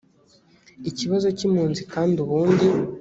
ikibazo k’impunzi kandi ubundi